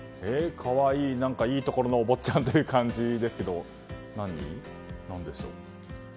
可愛いくて、いいところのお坊ちゃんという感じですが何でしょう？